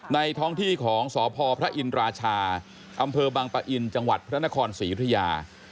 ในท้องที่ของสภพพระอิชราชาอำเภอบางประอินจพระนครศศิริยา